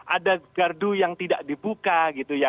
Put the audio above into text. ada gardu yang tidak dibuka gitu ya